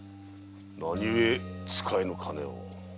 何ゆえ使えぬ金を？